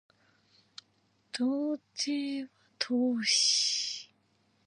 道程は遠し